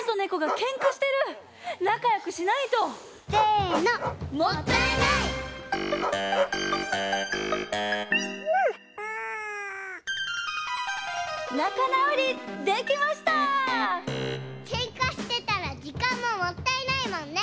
けんかしてたらじかんももったいないもんね。